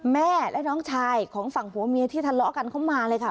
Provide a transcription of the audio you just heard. แม่และน้องชายของฝั่งผัวเมียที่ทะเลาะกันเข้ามาเลยค่ะ